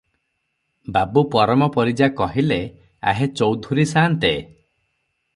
ବାବୁ ପରମ ପରିଜା କହିଲେ, "ଆହେ ଚୌଧୁରୀ ସାନ୍ତେ!